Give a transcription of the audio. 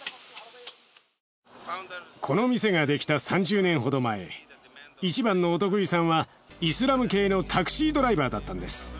この店が出来た３０年ほど前一番のお得意さんはイスラム系のタクシードライバーだったんです。